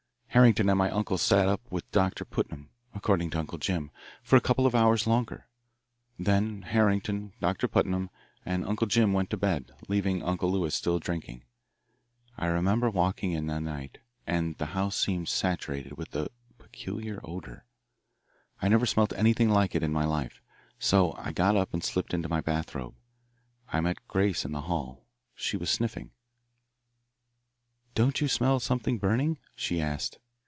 Harrington and my uncles sat up with Doctor Putnam according to Uncle Jim for a couple of hours longer. Then Harrington, Doctor Putnam, and Uncle Jim went to bed, leaving Uncle Lewis still drinking. I remember waking in the night, and the house seemed saturated with a peculiar odour. I never smelt anything like it in my life. So I got up and slipped into my bathrobe. I met Grace in the hall. She was sniffing. "'Don't you smell something burning?' she asked.